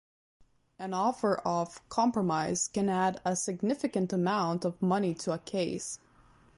An offer of compromise can add a significant amount of money to a case.